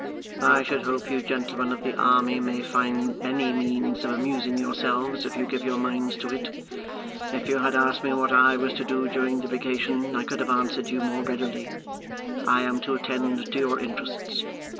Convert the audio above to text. I should hope you gentlemen of the army may find many means of amusing yourselves if you give your minds to it. If you had asked me what I was to do during the vacation, I could have answered you more readily. I am to attend to your interests.